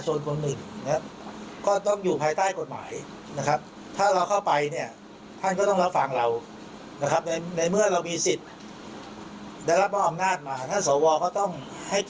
แต่ถ้าท่านไม่ให้เกียรติเราก็ต้องให้บังคับใช้กฎหมาย